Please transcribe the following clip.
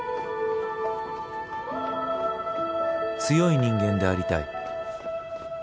強い人間でありたい